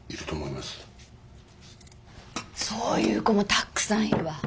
そういう子もたっくさんいるわ。